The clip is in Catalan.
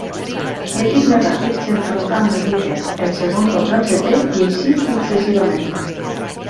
L'equip més ràpid s'enfronta amb el vuitè, el segon contra el setè, i així successivament.